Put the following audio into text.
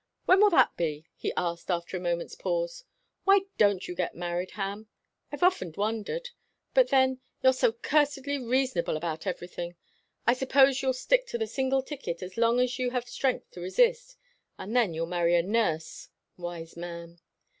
"When will that be?" he asked after a moment's pause. "Why don't you get married, Ham? I've often wondered. But then you're so cursedly reasonable about everything! I suppose you'll stick to the single ticket as long as you have strength to resist, and then you'll marry a nurse. Wise man!"